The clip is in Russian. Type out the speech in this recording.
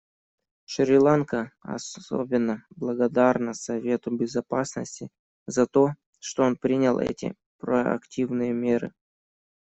Шри-Ланка особенно благодарна Совету Безопасности за то, что он принял эти проактивные меры.